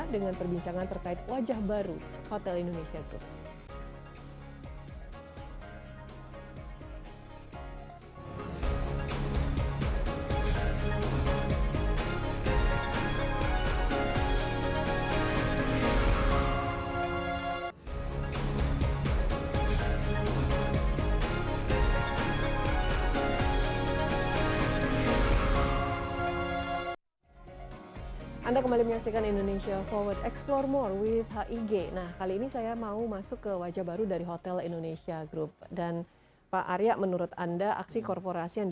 dengan perbincangan terkait wajah baru hotel indonesia group